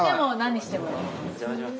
お邪魔します。